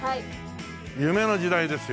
夢の時代ですよ。